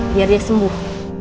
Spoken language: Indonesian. biar dia sembuh